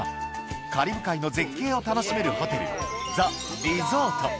カリブ海の絶景を楽しめるホテル、ザ・リゾート。